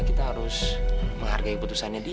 kita harus menghargai keputusannya dia